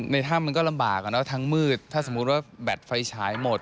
ในถ้ำมันก็ลำบากอ่ะเนอะทั้งมืดถ้าสมมุติว่าแบตไฟฉายหมด